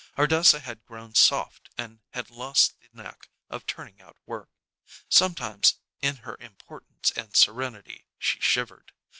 Ardessa had grown soft and had lost the knack of turning out work. Sometimes, in her importance and serenity, she shivered.